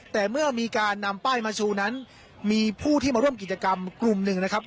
แต่เมื่อมีการนำป้ายมาชูนั้นมีผู้ที่มาร่วมกิจกรรมกลุ่มหนึ่งนะครับ